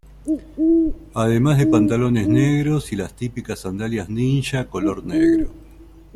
Además de pantalones negros y las típicas sandalias ninja color negro.